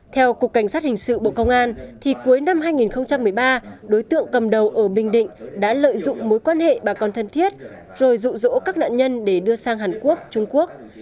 theo cục cảnh sát hình sự bộ công an cuối năm hai nghìn một mươi ba đối tượng cầm đầu ở bình định đã lợi dụng mối quan hệ bà con thân thiết rồi rụ rỗ các nạn nhân để đưa sang hàn quốc trung quốc